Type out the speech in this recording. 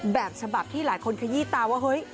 แบบฉบับที่หลายคนขยี้ตาว่าเฮ้ย